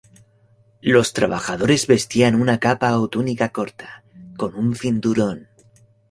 Los trabajadores vestían una capa o túnica corta, con un cinturón.